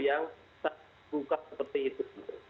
yang terbuka seperti itu